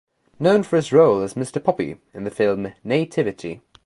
Known for his role as Mr Poppy in the film "Nativity!".